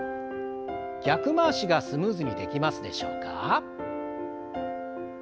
逆回しがスムーズにできますでしょうか？